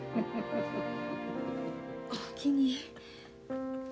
おおきに。